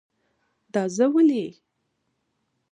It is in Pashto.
دا زه ولی؟